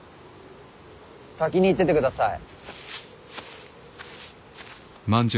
先に行っててください。